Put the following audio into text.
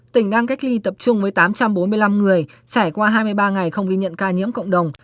tỉnh đang cách ly tập trung với tám trăm bốn mươi năm người trải qua hai mươi ba ngày không ghi nhận ca nhiễm cộng đồng